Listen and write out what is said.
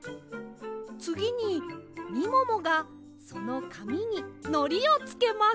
つぎにみももがそのかみにのりをつけます。